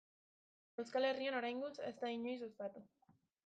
Euskal Herrian oraingoz ez da inoiz ospatu.